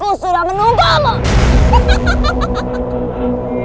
ya sudah aku sudah hampir surut